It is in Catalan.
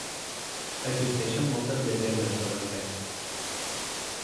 Existeixen moltes llegendes sobre el te.